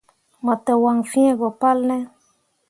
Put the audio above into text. Mo te waŋ fĩĩ go palne ?